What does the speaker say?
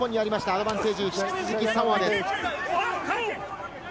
アドバンテージ、引き続きサモアです。